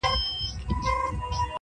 ساحله زه د عقل سترګي په خیال نه زنګوم.!